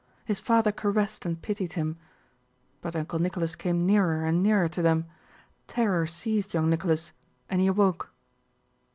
His father caressed and pitied him. But Uncle Nicholas came nearer and nearer to them. Terror seized young Nicholas and he awoke.